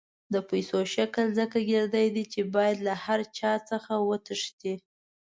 د پیسو شکل ځکه ګردی دی چې باید له هر چا څخه وتښتي.